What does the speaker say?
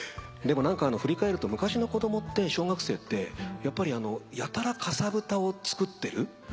でも振り返ると昔の子供って小学生ってやっぱりやたらかさぶたをつくってる。